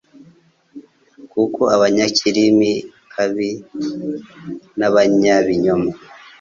Kuko abanyakarimi kabi n’abanyabinyoma